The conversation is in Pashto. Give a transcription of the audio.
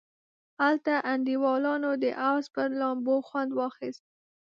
هلته انډیوالانو د حوض پر لامبو خوند واخیست.